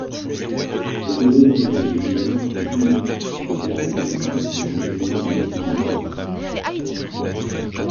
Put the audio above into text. Le Collège des ingénieurs est une institution volontairement tournée vers l'international.